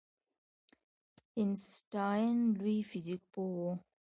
آینسټاین لوی فزیک پوه و